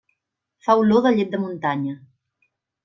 Fa olor de llet de muntanya.